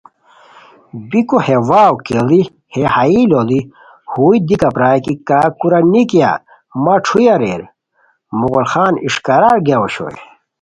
بیکو ہے واؤ کیڑی ہئے ہائی لوڑی ہوئی دیکا پرائے کی کاکورا نیکیا مہ ݯھوئے اریر! مغل خان اݰکارار گیاؤ اوشوئے